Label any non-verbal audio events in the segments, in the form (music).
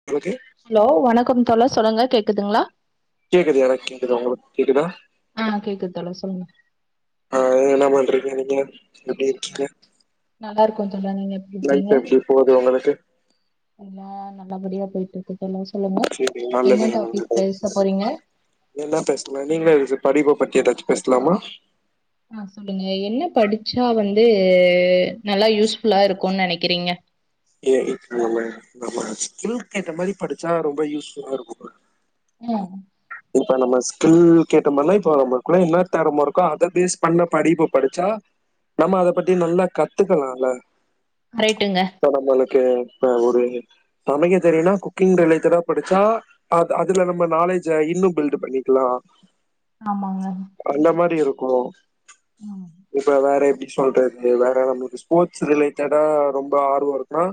(unintelligible) Hello வணக்கம் தோழர் சொல்லுங்க கேக்குதுங்ளா கேக்குது எனக் கேக்குது உங்களுக் கேக்குதா ஆ கேக்குது தோழா சொல்லுங்க ஆ ஏ என்னா பண்றீங்க நீங்க எப்டி இருக்கீங்க நல்லா இருக்கோ தோழர் நீங்க எப் லைஃப் எப்டி போது உங்களுக்கு எல்லா நல்லபடியா போய்ட்ருக்கு தோழா சொல்லுங்க சரி என்ன நல்லதுங்க டாபிக் நல்லது பேச போறீங்க என்ன பேஸ்லா நீங்களே எதாச்சு படிப்ப பத்தி எதாச்சு பேஸ்லாமா ஆ சொல்லுங்க என்ன படிச்சா வந்து நல்லா யூஸ் ஃபுல்லா இருக்குன் நெனக்கிறீங்க ஏ இப்ப நம்ம நம்ம ஸ்கில்கேத்த மாரி படிச்சா ரொம்ப யூஸ் ஃபுல்லா இருக்குங்க ம் இப்ப நம்ம ஸ்கில் கேத்தமார்னா இப்போ நம்மக்குள்ள என்னா தெறம இருக்கோ அத பேஸ் பண்ண படிப்பு படிச்சா நம்ம அத பத்தி நல்லா கத்துக்கலால்ல கரெட்டுங்க ப்ப நம்மளுக்கு இப்ப ஒரு சமைக்க தெரியுன்னா குக்கிங் ரிலேட்டடா படிச்சா அத் அதுல நம்ம நாலேஜ் ஜ இன்னு பில்டு பண்ணிக்கலா ஆமாங்க அந்த மாரி இருக்கு இப்ப வேற எப்டி சொல்றத் இது வேற நம்மளுக்கு ஸ்போர்ட்ஸ் ரிலேட்டடா ரொம்ப ஆர்வோ இருந்தா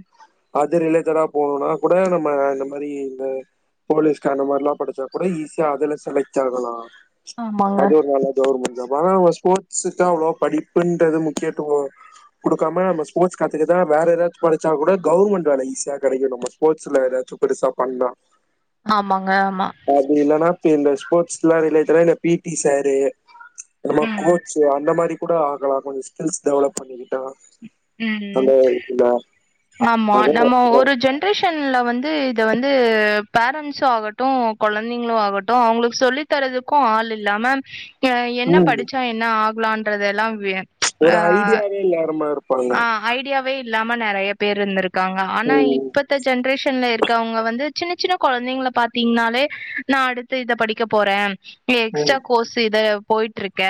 அது ரிலேட்டடா போணுன்னா கூட நம்ம இந்த மாரி இந்த போலீஸ்க்கார் அந்த மாரிலா படுச்சா குட ஈஸியா அதுல செலக்ட் ஆகலா ஆமாங்க அது ஒரு நல்ல கவுர்மெண்ட் ஜாப் ஆனா அவுங்க ஸ்போர்ட்ஸுக்கு அவ்ளோவா படிப்புன்றது முக்கியத்துவோ குடுக்காம நம்ம ஸ்போர்ட்ஸ் கத்துக்கதா வேற எதாச்சு படிச்சா கூட கவுர்மெண்ட் வேல ஈஸியா கெடைக்கு நம்ம ஸ்போட்ஸ்ல எதாச்சு பெருசா பண்றா ஆமாங்க ஆமா அப்டி இல்லனா இப்ப இந்த ஸ்போர்ட்ஸ்ல ரிலேட்டடா இந்த பி டி சாரு நம்ம ம் கோச்சு அந்த மாரி கூட ஆகலா கொஞ்சோ ஸ்கில்ஸ் டெவலப் பண்ணிக்கிட்டா அந்த ம் இதுல ஆமா அதா நம்ம அதா ஒரு ஜன் ட்ரேஷன்ல வந்து இது வந்து பேரண்ட்ஸு ஆகட்டு கொழந்தைங்ளு ஆகட்டு அவுங்களுக்கு சொல்லி த்தறதுக்கு ஆள் இல்லாம எ என்ன ம் படிச்சா என்ன ஆகலான்றதலா வி ஒரு ஐடியாவே இல்லாறம்ம இருப் ஆ ஐடியாவே இல்லாம நெறையா பேர் இருந்துர்ருக்காங்க ஆனா ம் இப்பத்த ஜென்ரேஷன்ல இருக் க அவுங்க வந்து சின்ன சின்ன கொழந்தைங்ள பாத்தீங்னாலே நா அடுத்து இத படிக்க போற எக்ஸ்ட்டா ம் கோஸ் இது போய்ட்ருக்க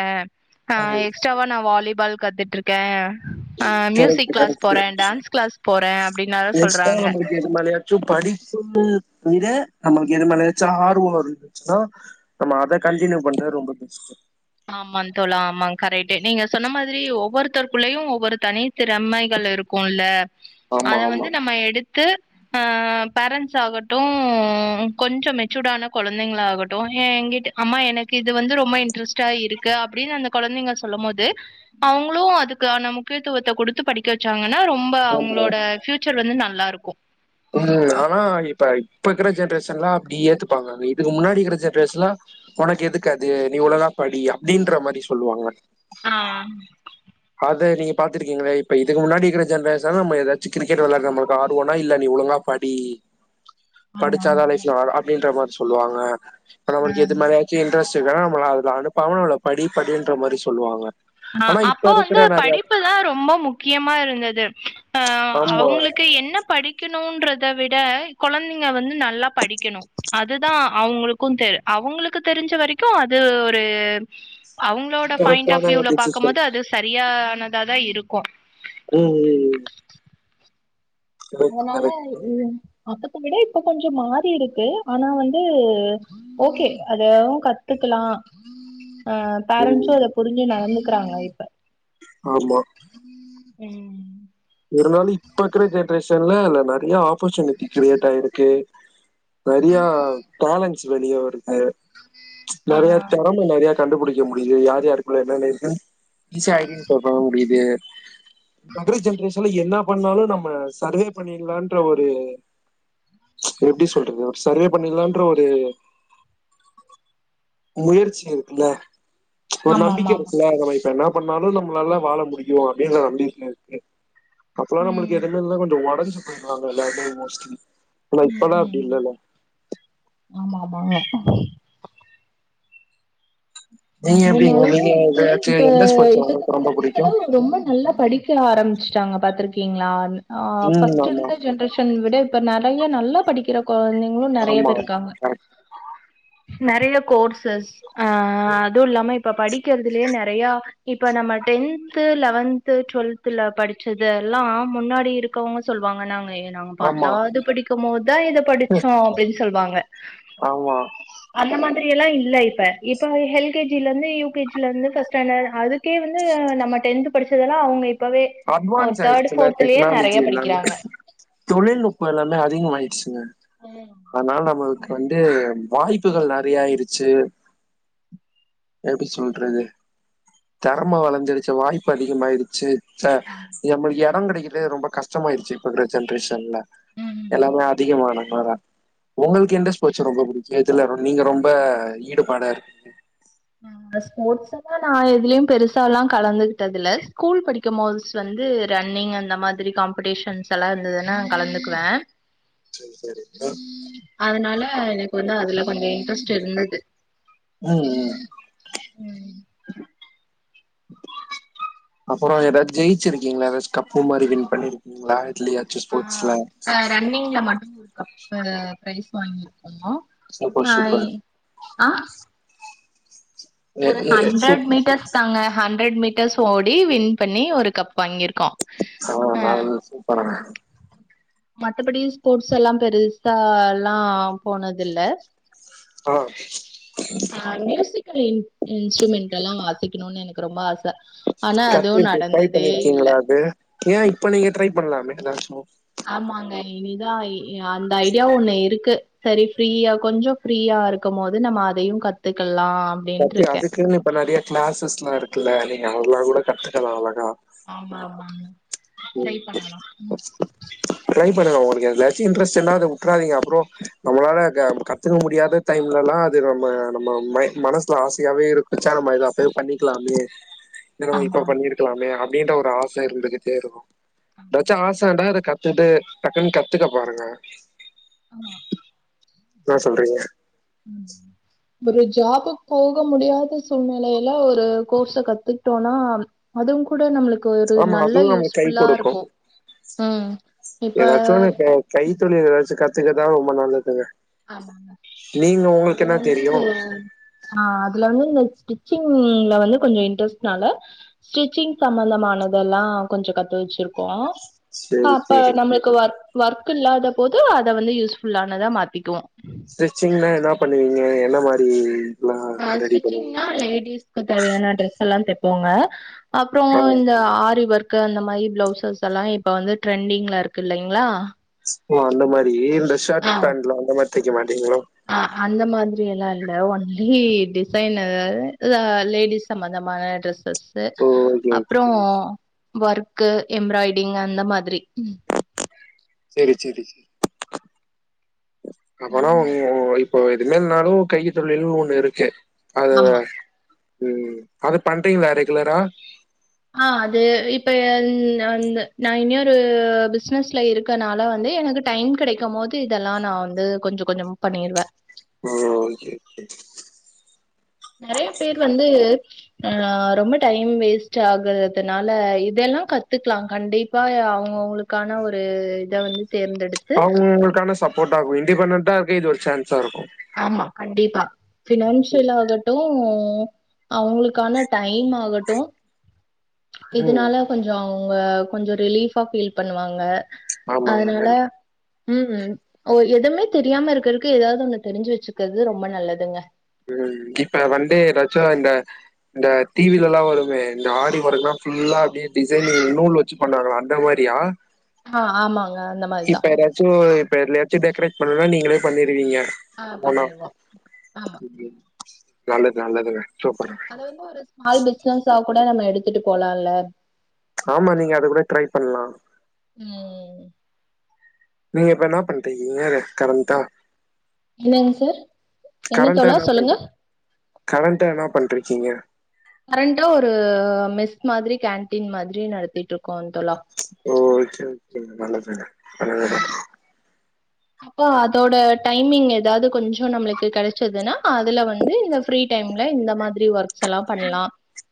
ஆ ம் எக்ஸ்ட்டாவா நா வாலிபால் கத்துட் ட்ருக்கே அ மியூசிக் கரெக்ட்டு க்ளாஸ் போற கரெக்ட்டு டான்ஸ் க்ளாஸ் போற அப்டின்னலா சொல்றாங்க ச்சு படிப்புக் விட நம்மள்க்கு எதுமேலயாச்சோ ஆர்வ இருந்துச்சுனா நம்ம அத கண்டினியூ பண்ற ரொம்ப பெஸ்ட்டு ஆமா தோழா ஆமா கரெட்டு நீங்க சொன்ன மாதிரி ஒவ்வொருத்தர் குள்ளயு ஒவ்வொரு தனி திறமைகள் இருக்குல்ல ஆமா அத ஆமா வந்து நம்ம எடுத்து அ பேரண்ஸ் ஆகட்டு கொஞ்சோ மெச்சூடான கொழந்தைங்ளா ஆகட்டு ஏங்கிட் அம்மா எனக்கு இது வந்து ரொம்ப இன்ரெஸ் டா இருக்கு அப்டின் அந்த கொழந்தைங்க சொல்லுமோது அவுங்ளு அதுக்கான முக்கியத்துவத்த குடுத் து படிக்க வச்சாங்கனா ரொம்ப ஆமா அவுங்ளோட ஃபியூச்சர் வந்து நல்லாருக்கு ம் ஆனா இப்ப இப்ப இக்கற ஜென்ரேஷன்லா அப்டி ஏத்துப்பாங்க இதுக்கு முன்னாடி இக்கற ஜென்ரேஷ்லா உனக்கெதுக் அது நீ இ்வ்ளோதா படி அப்டின்ற மாரி சொல்லுவாங்க ஆ அத நீங்க பாத்ருக்கீங்ளா இப்ப இதுக்கு முன்னாடிக்கற ஜென்ரேஷன்ல நம்ம எதாச்சி கிரிக்கெட் வெளாட்ற நம்மள்க்கு ஆர்வோனா இல்ல நீ ஒழுங்கா படி ஆமா படிச்சாதா ஆமா லைஃப்யு அ அப்டின்ற மாரி சொல்லுவாங்க இப்ப நம்மளுக்கு எது மாரி சி இன்ட்ரெஸ்ட் இருக்காத நம்மள அது அனுப்பாம நம்மள படி படின்ற மாரி சொல்லுவாங்க ஆ அப் ப இருக்கற மாரியா தா ரொம்ப முக்கியமா இருந்தது அ ஆமா அவுங்களுக்கு என்ன படிக் க்கணுன்றத விட கொழந்தைங்க வந்து நல்லா படிக்கனு அதுதா அவுங்களுக் கு தெரு அவுங்களுக்கு தெரிஞ்ச வரைக்கு அது ஒரு அவுங்களோட பாயிண்ட் ஆஃப் கரெக்டான வியூல பாக்க டிசிஷன் மோது அது சரியானதா தா இருக்கு ம் ம் ம் கரெக்ட் அதனால கரெக்ட் அப்பத்த விட இப்ப கொஞ்சோ மாறி இருக்கு ஆனா வந்து ஓகே அதவு கத்துக்கலா ஆ ம் பேரண்ட்ஸு அத புரிஞ்சி நடந்துக்கிறாங்க இப்ப ஆமா ம் ஒரு நாலு இப்ப இருக்கற ஜென்ரேஷன்ல இல்ல நெறைய ஆப்பர்ச்சுனிட்டி கிரியேட் ஆயிருக்கு நறியா டேலன்ஸ் வெளிய வருது ஆ நெறைய தெறம நெறைய கண்டுபுடிக்க முடியுது யாரு யாருக்குள்ள என்னன்ன இருக்குன் ஈஸியா ஐடென்டி ஃபோர் பண்ண முடியுது இப்பக்கர ஜென்ரேஷன்ல என்னா பண்ணாலு நம்ம சர்வே பண்ணிலான்ற ஒரு எப்டி சொல்றது ஒரு சர்வே பண்ணிலான்ற ஒரு முயற்சி இருக்குல்ல ஒரு ஆமா நம்பிக்க ஆமா ஆமா இருக்குல்ல நாம இப்பனா பண்ணாலு நம்மளால வாழ முடியு அப்டினு நம்பிக்க இருக்கு அப்பல்லா நம்மளுக்கு ம் எடமேல்ல கொஞ்ச ஒடஞ்சி போய்றாங்க எல்லாருமே மோஸ்ட்லி ஆனா ம் இப்பல்லாம் அப்டி ம் இல்லல்ல. ஆமா ஆமாங்க நீங்க எப்டிங்க? அதனாலயே நீங்க வந்து இப்ப எதாச்சும் எந்த ஸ்போர்ட்ஸ் இப்பருக்க உங்களுக்கு ரொம்ப கொழந்தைங்களு புடிக்கும்? ரொம்ப நல்லா படிக் க ஆரம்பிச்ட்டாங்க பாத்திருக்கீங்ளா ஆ ம். ஃபஸ்ட் ஆமா. இருந்த ஜென்ரேஷ் ன் விட இப்ப நெறைய நல்ல படிக்கிற கொழந்தைங்களு நெறைய ஆமா. பேர் இருக்காங்க கரெக்ட். நெறைய கோர்சஸ் அதுவு இல்லாம இப்ப படிக்கிறதுலேயே நெறையா இப்ப நம்ம டென்து லெவன்த் டுவெல்த்ல படிச்சது எல்லா முன்னாடி இரு கவங்க சொல்லுவாங்க நாங்க நாங்க ஆமா. பத்தாவது படிக்கும் போதுதா இத படிச்சோ அப்டின்னு சொல்லுவாங்க ஆமா. அந்த மாதிரி எல்லா இல்ல இப்ப இப்ப எல்கேஜில இருந்து யு கேஜில இருந்து பஸ்ட் ஸ்டாண்டர்ட் அது கே வந்து நம்ம டென்த் படிச்சதெல்லா அவங்க இப் ப்பவே ஒரு அட்வான்ஸ் தேர்டு ஆயிடுச்சுல்ல போர்த்லயே நெறைய படிக்கறாங்க தொழில்நுட்ப எல்லாமே அதிகம் ஆயிடுச்சுங்க ம் அதனால நம்மளுக்கு வந்து வாய்ப்புகள் நெறைய ஆயிருச்சு எப்டி சொல்றது திறம வளர்ந்துருச்சு வாய்ப்பு அதிகமாயிருச்சு ச நம்மளுக்கு இடம் கிடைக்கில ரொம்ப கஷ்டமாயிருச்சு இப்ப இருக்ற ஜென்ரேஷன்ல எல்லாமே அதிகமா (unintelligible) உங்ளுக்கு எந்த ஸ்போர்ட்ஸ் ரொம்ப புடிக்கு எதுல நீங்க ரொம்ப ஈடுபாடா இரு இந்த ஸ்போர்ட்ஸ் எல்லா நா எதுலயு பெருசாலா கலந்துங்ட்டது இல ஸ்கூல் படி க்கு மோது வந்து ரன்னிங் அந்த மாதிரி காம்பெடிஷன்ஸ் எல்லா இருந்ததுன்னா நா கலந்துக்குவே சரி, சரி. அதனால எனக் வந்து அதுல கொஞ்சோ இன்ட்ரெஸ்ட் இருந்துது ம் ம் அப்புறோ ஏதாச்சது ஜெயிச்சிருக்கீங்களா ஏதாச்சு கப்பு மாரி வின் பண்ணிருக்கீங்களா இல்லையா ஆ ரன்னிங்ல மட்டும் ஒரு கப் பிரைஸ் வாங்கிருக்கோ சூப்பர், ஆயி சூப்பர். ஆ எ ஒரு எ சூ ஹண்ட்ரட் மீட்டர்ஸ் தாங்க ஹண்ட்ரட் மீட்டர்ஸ் ஓடி வின் பண்ணி ஒரு கப் வாங்கிருக்கோ ஆ நல்லது சூப்பருங்க மத்தபடி ஸ்போர்ட்ஸ் எலா பெருசால்லா போனதில்ல அலோ ஆ மியூசிக்கல் இன் இன்ஸ்ட்ருமெண்ட் எல்லா வாசிக்கணுன்னு எனக்கு ரொம்ப ஆச ஆனா அதுவு கத்துட்டு ட்ரை நடந்ததே இல்ல பண்ணிருக்கீங்களா அது ஏ இப்ப நீங்க ட்ரை பண்லாமே எதாச்சு ஆமாங்க இனிதா இ அந்த ஐடியாவு ஒண்ணு இருக்கு சரி ஃப்ரீயா கொஞ்சம் ஃப்ரீயா இருக்கும் போது நம்ம அதையு கத்துக்கலா அப்டின்ட்டு கத்து இருக்கே அதுக்குன்னு இப்ப நெறைய கிளாஸஸ்ல்லா இருக்குல்ல நீங்க அதெல்லா கூட கத்துக்கலா அழகா ஆமா ஆமா ம் ட்ரை பண்ணுங்க உங்ளுக்கு எதிலியாச்சு இன்டரஸ்ட்டு இருந்தா அத உட்றாதீங்க அப்றோ நம்மளால க கத்துக்க முடியாது டைம்ல எல்லா அது நம்ம நம்ம மை மனசுல ஆசையாவே இருக்குச்சா நம்ம எது அப்பயே பண்ணிக்கலாமே நம்ம ஆமா இப்ப ஆமா பண்ணிருக்கலாமே அப்டின்ற ஒரு ஆச இருந்துகிட்டே இருக்கு ஏதாச்சு ஆசன்டா அத கத் த்துட்டு டக்குன்னு கத்துக்க பாருங்க ஆமா இன்னா சொல்றீங்க ம் ஒரு ஜாப்க்கு போக முடியாத சூழ்நிலைல ஒரு கோர்ஸ கத்துட்டோன்னா அதுவு கூட நம்ளுக்கு ஒரு ஆமா, நல்ல அதுவும் நமக்கு கை யூஸ்புல்லா குடுக்கும். இருக்கு ம் இப்ப கைத் தொழில் ஏதாச்சு கத்துக்கதா ரொம்ப நல்லதுங்க ஆமாங்க நீங்க உங்களுக்கு அதுல என்ன வந்து தெரியும்? ஆ அதுல வந்து இந்த ஸ்டிச்சிங்ல வந்து கொஞ்சம இன்ட்ரெஸ்ட்னால ஸ்டிச்சிங் சம்மந்தமானதெல்லா கொஞ்சோ கத்து வச்சிருக்கோ சரி, அப்ப சரி. நம்மளுக்கு ஒர்க் ஒர்க் இல்லாத போது அத வந்து யூஸ்புல்லானதா மாத்தி க்குவோ ஸ்ட்ரிச்சிங்னா என்ன பண்ணுவீங்க என்ன மாரி ஆ ரெடி பண்ணுவீங்க ஸ்டிச்சிங்னா லேடிஸ்க்கு தேவையான ட்ரெஸ் எல்லா தெப்போங்க அப்றோ ஆ இந்த ஆரி ஒர்க் கு அந்த மாதிரி பிளவுசஸ் எல்லா இப்ப வந்து ட்ரெண்டிங்ல இருக்கு இல்லைங்களா ஓ அந்த மாரி இந்த ஷர்ட் ஆ பேண்ட்லா அந்த மாரி தைக்க மாட்டீங்களோ ஆ அந்த மாதிரி எல்லா இல்ல ஒன்லி டிசைன் அதாவது லேடிஸ் சம்மந்தமான ட்ரெஸ்ஸஸ் ஓ ஓகே ஓகே அப்றோ ஒர்க்கு எம்ப்ராய்டிங் அந்த மாதிரி செரி செரி செரி அப்பன்னா பொருளு உங்க வொய்ஃப் இப்போ எது இல்லைனாலு கை தொழில்ன்னு ஒண்ணு இருக்கு அதவ ஆமா ம் அது பண்றீங்களா ரெகுலரா ஆ அது இப்ப அ நா வந்து நா இன்னி ஒரு பிசினஸ்ல இருக்கனால வந்து எனக்கு டைம் கிடைக்கம் போது இதெல்லா நா வந்து கொஞ்சோ கொஞ்சமா பண்ணிருவே ஓ செரி செரி நெறய பேர் வந்து ஆ ரொம்ப டைம் வேஸ்ட் ஆகுறதுனால இதெல்லா கத்துக்கலா கண்டிப்பா அவங்கவுங்களுக் க்கான ஒரு இத வந்து தேர்ந்தெடுத் அவங்கவங்களுக்கான சப்போட்டா இருக்கு இண்டிபெண்டண்டா இருக்க இது ஒரு சான்ஸா இருக்கும் ஆமா கண்டிப்பா பினான்சியல் ஆகட்டும் அவங்களுக்கான டைம் ஆகட்டு ம் இதனால கொஞ்சோ அவங்க கொஞ்சோ ரிலீஃபா ஃபீல் பண்ணுவாங்க ஆமாங்க அதனால நன்றி ம் ம் ஓ எதுமே தெரியாம இருக்கிறதுக்கு ஏதாவது ஒண்ணு தெரிஞ்சு வச்சுக்கிறது ரொம்ப நல்லதுங்க ம் இப்ப வந்தே நேச்சுரலா இந்த இந்த டிவில எல்லா வருமே இந்த ஆரி ஒர்க்னா ஃபுல்லா அப்டியே டிசைனிங் நூல் வச் சு பண்ணாங்ளே அந்த மாதிரியா ஆ ஆமாங்க அந்த மாரிதா இப்ப யாராச்சும் இப்ப (unintelligible) டெக்கரேட் பண்ணனுனா நீங்களே பண்ணிருவீங்க ஆ போனா பண்ணிடருவோ நல்லது நல்லதுங்க சூப்பர் அதாவதுக் கொரு வ ஒரு ஸ்மால் பிஸ்னஸா கூட நம்ம எடுத்துட்டு போலாம்ல்ல ஆமா நீங்க அது கூட ட்ரை பண்லா ம் ம் நீங்க இப்ப என்ன பண்ட்ருக்கீங்க கரண்ட்டா என்னங்க சார் என்ன கரண்ட்டா தோழா நா சொல்லுங்க கேக்கறே கரண்டா என்ன பண்ட்ருக்கீங்க கரண்ட்டா ஒரு மெஸ் மாதிரி கேன்டீன் மாதிரி நடத்திட்டு இருக்கோ தோழா ஓ செரி செரி நல்லதுங்க நல்லது தா இப்போ அதோட டைமிங் எதாவது கொஞ்சோ நம்மளுக்கு கிடைச்சதுன்னா அதுல வந்து இந்த ஃப்ரீ டைம்ல இந்த மாதிரி ஒர்க்ஸ்லா பண்லா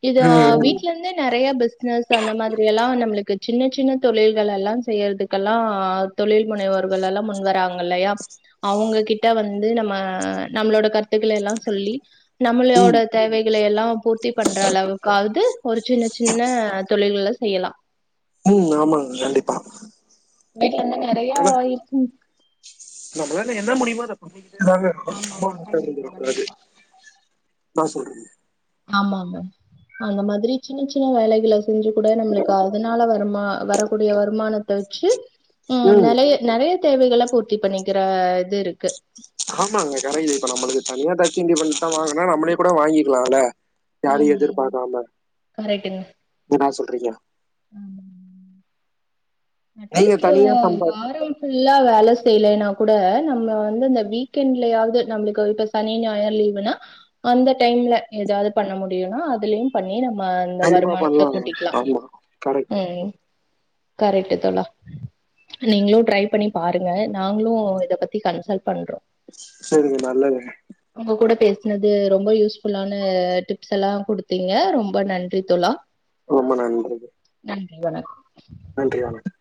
இது ம் வீட்ல இருந்தே நெறைய பெஸ் பிஸ்னஸ் அந்த மாதிரி எல்லா நம்மளுக்கு சின்ன சின்ன தொழில்கள் எல்லா செய்யறதுக்கெல்லா தொழில் முனைவோர்கள்லெல்லா முன்வராங்க இல்லையா அவங்ககிட்ட வந்து நம்ம நம்மளோட கருத்துக்களை எல்லாம் சொல்லி ம் நம்மளோட ம் தேவைகளை எல்லாம் பூர்த்தி பண்ற அளவுக்காவது ஒரு சின்ன சின்ன தொழில்களை செய்யலாம் ம் ஆமாங்க கண்டிப்பா வீட்ல இருந்து நிறையா ஆனா இருக்கு நம்மளால என்ன முடியுமோ அத ஆமா ஆமா பண்ணிக்கிட்டே கண்டிப்பா இருக்கனு கண்டிப்பா என்ன சொல்றது ஆமா ஆமா அந்த மாதிரி சின்ன சின்ன வேலைகள செஞ்சு கூட நம்மளுக்கு அதனால வருமா வரக்கூடிய வருமானத்தை வச்சு ம் நிறைய நிறைய தேவைகளை பூர்த்தி பண்ணிக்கிற இது இருக்கு ஆமாங்க கிடையுது இப்ப நம்மளுக்கு தனியா தச்சண்டி பண்ணி தான் வாங்கனா நம்மளே கூட வாங்கிக்கலாம்ல யாரையும் ம் எதிர்பார்க்காம என்னா சொல்றீங்க ம் நீங்க அட்லீஸ்ட் ஒரு தனியா சம்பா வாரோய் ஃபுல்லா வேலை செய்யலைன்னா கூட நம்ம வந்து அந்த வீக்கெண்ட்லயாவது நம்மளுக்கு ஒரு டெஸ்ட் சனி ஞாயிறு லீவுனா அந்த டைம்ல ஏதாவது பண்ண முடியும்னா அதுலயும் பண்ணி நம்ம அ கண்டிப்பா வருமானத்தை பண்ணலாங்க கூட்டிக்கலாம் ஆமா கரெக்ட் ம் ம் கரெக்ட் டு தா நீங்களும் ட்ரை பண்ணி பாருங்க நாங்களும் இத பத்தி கன்சல் பண்றோம் சேரிங்க நல்லதுங்க உங்க கூட பேசுனது ரொம்ப யூஸ்ஃபுல்லான டிப்ஸ் எல்லாம் குடுத்தீங்க ரொம்ப நன்றி தோழா ரொம்ப நன்றிங்க நன்றி வணக்கம் நன்றி வணக்கம்